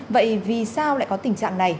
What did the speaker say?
vậy vì sao lại có tình trạng này